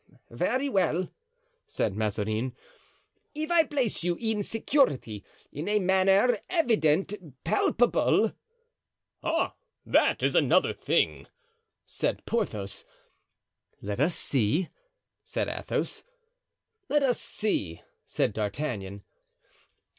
"Very well," said Mazarin, "if I place you in security, in a manner evident, palpable——" "Ah! that is another thing," said Porthos. "Let us see," said Athos. "Let us see," said D'Artagnan.